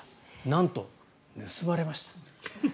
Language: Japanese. なんと盗まれました。